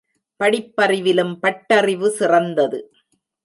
படிப்பறிவிலும் பட்டறிவு சிறந்தது.